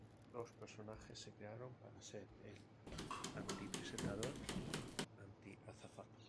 Los personajes se crearon para ser el anti-presentador y el anti-azafato.